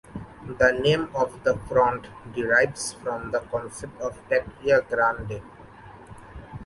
The name of the front derives from the concept of "Patria Grande".